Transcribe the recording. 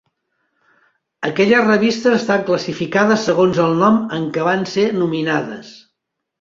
Aquelles revistes estan classificades segons el nom en què van ser nominades.